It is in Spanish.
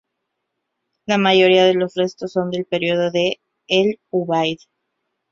La mayoría de los restos son del período de el-Ubaid.